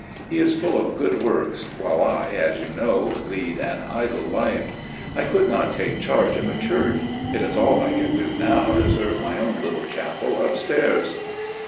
He is full of good works, while I, as you know, lead an idle life. I could not take charge of a church. It is all I can do now to serve my own little chapel upstairs."